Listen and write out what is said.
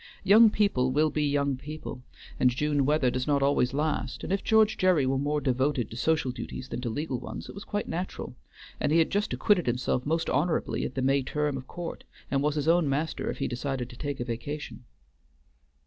Young people will be young people, and June weather does not always last; and if George Gerry were more devoted to social duties than to legal ones, it was quite natural, and he had just acquitted himself most honorably at the May term of court, and was his own master if he decided to take a vacation.